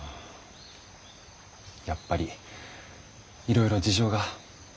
やっぱりいろいろ事情が。